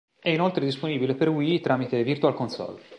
È inoltre disponibile per Wii tramite Virtual Console.